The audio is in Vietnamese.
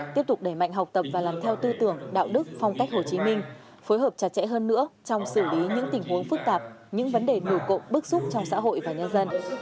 tiếp tục đẩy mạnh học tập và làm theo tư tưởng đạo đức phong cách hồ chí minh phối hợp chặt chẽ hơn nữa trong xử lý những tình huống phức tạp những vấn đề nổi cộng bức xúc trong xã hội và nhân dân